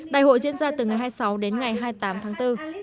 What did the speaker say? đại hội diễn ra từ ngày hai mươi sáu đến ngày hai mươi tám tháng bốn